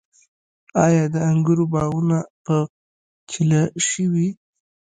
آیا د انګورو باغونه په چیله شوي؟